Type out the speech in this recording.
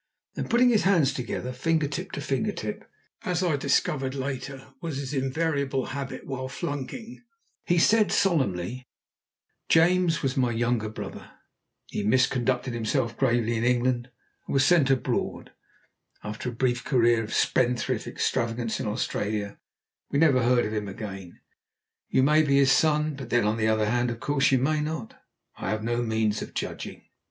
Then putting his hands together, finger tip to finger tip, as I discovered later was his invariable habit while flunking, he said solemnly: "James was my younger brother. He misconducted himself gravely in England and was sent abroad. After a brief career of spendthrift extravagance in Australia, we never heard of him again. You may be his son, but then, on the other hand, of course, you may not. I have no means of judging."